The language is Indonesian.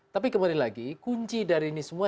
tapi kembali lagi kunci dari ini semua